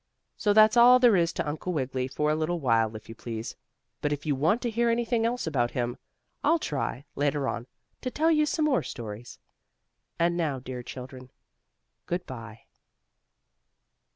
So that's all there is to Uncle Wiggily, for a little while, if you please, but if you want to hear anything else about him I'll try, later on, to tell you some more stories. And now, dear children, good bye.